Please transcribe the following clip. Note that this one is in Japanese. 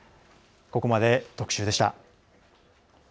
ここまで、特集でした。